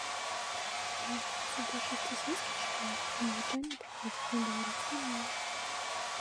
А якраз у большасці сельскіх школ навучанне праходзіць на беларускай мове.